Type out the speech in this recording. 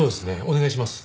お願いします。